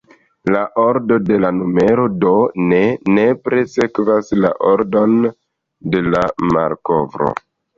La ordo de la numero do ne nepre sekvas la ordon de la malkovro.